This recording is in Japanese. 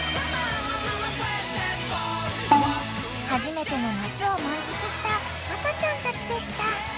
［初めての夏を満喫した赤ちゃんたちでした］